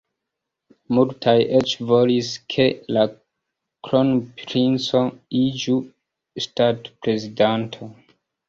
Multaj eĉ volis, ke la kronprinco iĝu ŝtatprezidanto.